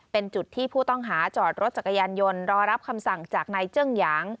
เป็นจุดที่ผู้ต้องหาจอดรถจักรยานยนต์รอรับคำสั่งจากนายเจิ้งหยาง